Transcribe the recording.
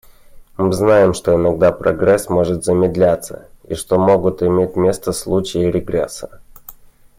Мы знаем, что иногда прогресс может замедляться и что могут иметь место случаи регресса.